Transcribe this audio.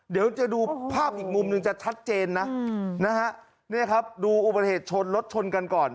เดี๋ยวจะดูภาพอีกมุมหนึ่งจะชัดเจนนะนะฮะเนี่ยครับดูอุบัติเหตุชนรถชนกันก่อน